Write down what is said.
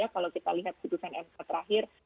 kalau kita lihat putusan mk terakhir